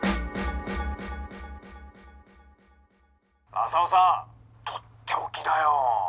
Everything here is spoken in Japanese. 「まさおさんとっておきだよ。